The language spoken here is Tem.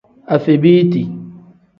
Afebiiti.